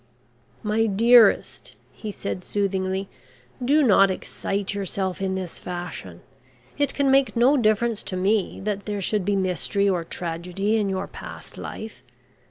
"My dearest," he said soothingly, "do not excite yourself in this fashion. It can make no difference to me that there should be mystery or tragedy in your past life.